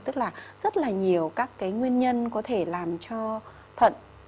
tức là rất là nhiều các cái nguyên nhân có thể làm cho thận